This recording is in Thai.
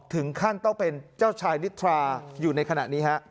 ถึงขั้นต้องเป็นเจ้าชายนิทราอยู่ในขณะนี้ฮะ